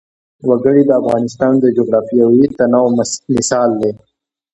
وګړي د افغانستان د جغرافیوي تنوع مثال دی.